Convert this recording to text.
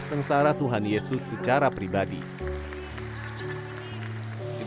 sengsara tuhan yesus secara pribadi